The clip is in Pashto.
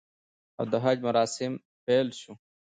او د حج مراسم پیل شو